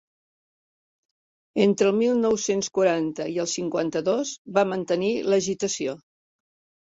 Entre el mil nou-cents quaranta i el cinquanta-dos, va mantenir l'agitació.